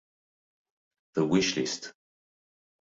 The Wish List